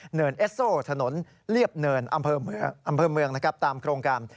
เหนินเอสโซ่ถนนเลียบเหนินอำเภอเมืองตามโครงการ